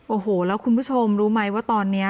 โอ้โหแล้วคุณผู้ชมรู้ไหมว่าตอนนี้